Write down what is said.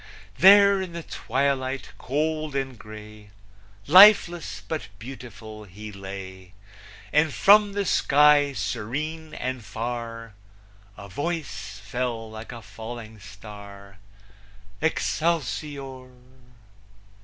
There in the twilight cold and gray, Lifeless, but beautiful, he lay, And from the sky serene and far, A voice fell, like a falling star, Excelsior!